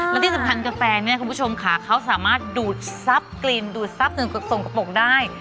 แล้วที่สำคัญกับแฟนเนี่ยคุณผู้ชมค่ะเขาสามารถดูดซับกลิ่นดูดซับถึงกระโปรกได้